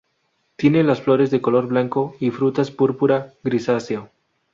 Tiene las flores de color blanco y frutas púrpura grisáceo.